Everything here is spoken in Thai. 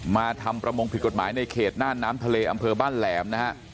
มาทำประมงผิดกฎหมายในเขตน่านน้ำทะเลอำเภอบ้านแหลมนะฮะ